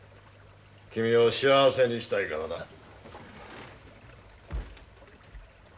君を幸せにしたいからだ。